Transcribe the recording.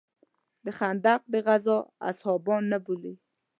د خندق د غزا اصحابان نه بولې.